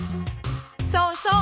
そうそう。